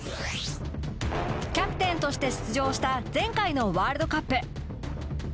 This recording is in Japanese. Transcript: キャプテンとして出場した前回のワールドカップ。